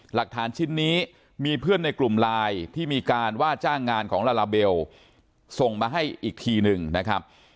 หลักฐานชิ้นนี้มีเพื่อนในกลุ่มไลน์ที่มีการว่าจ้างงานของลาลาเบลส่งมาให้อีกทีหนึ่งนะครับ